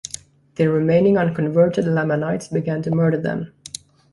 The remaining unconverted Lamanites began to murder them.